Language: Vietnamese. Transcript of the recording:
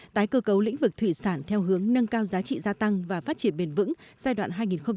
tái cơ cấu lĩnh vực thủy sản theo hướng nâng cao giá trị gia tăng và phát triển bền vững giai đoạn hai nghìn một mươi sáu hai nghìn hai mươi